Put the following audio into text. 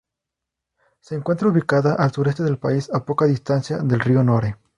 Se encuentra ubicada al sureste del país, a poca distancia del río Nore.